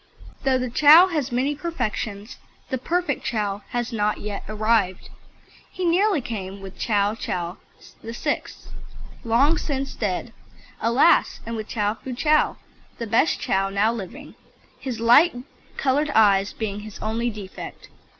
Though the Chow has many perfections, the perfect Chow has not yet arrived. He nearly came with Ch. Chow VIII. long since dead, alas! and with Ch. Fu Chow, the best Chow now living, his light coloured eyes being his only defect.